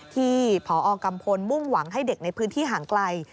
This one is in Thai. ที่พอกัมพลมุ่งหวังให้เด็กในพื้นที่ห่างไกล